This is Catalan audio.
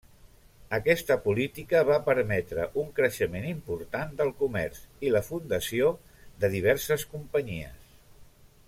Aquesta política va permetre un creixement important del comerç i la fundació de diverses companyies.